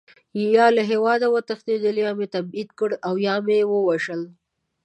یا له هېواده وتښتېدل، یا مې تبعید کړل او یا مې ووژل.